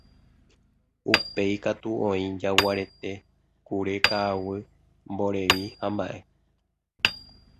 Upéi katu oĩ jaguarete, kure ka'aguy, mborevi hamba'e.